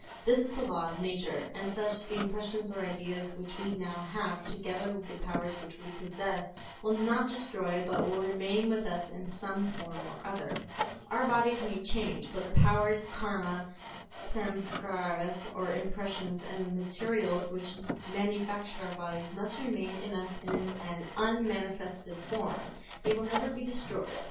This is the law of nature. As such, the impressions or ideas which we now have, together with the powers which we possess, will not be destroyed but will remain with us in some form or other. Our bodies may change, but the powers, Karma, Samskaras or impressions and the materials which manufactured our bodies must remain in us in an unmanifested form. They will never be destroyed.